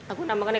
aku nambah gini